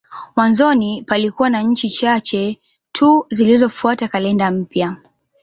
Mwanzoni palikuwa na nchi chache tu zilizofuata kalenda mpya.